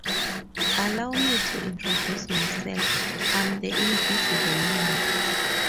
Allow me to introduce myself--I'm the Invisible Man!